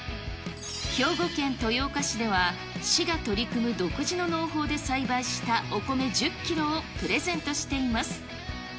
兵庫県豊岡市では、市が取り組む独自の農法で栽培したお米１０キロをプレゼントしています。